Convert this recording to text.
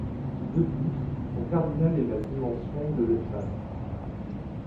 De plus, son cardinal est la dimension de l'espace.